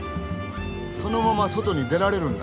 そのまま外に出られるんだ。